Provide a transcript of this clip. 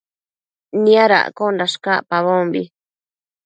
Niadaccosh cacpabombi